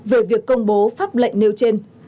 về việc công bố pháp lệnh nêu trên